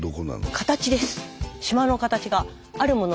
形です。